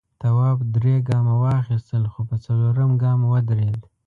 تواب درې گامه واخیستل خو په څلورم گام ودرېد.